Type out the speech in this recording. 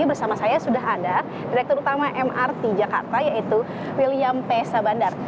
bersama saya sudah ada direktur utama mrt jakarta yaitu william p sabandar